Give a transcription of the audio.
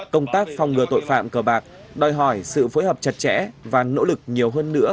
công tác phòng ngừa tội phạm cờ bạc đòi hỏi sự phối hợp chặt chẽ và nỗ lực nhiều hơn nữa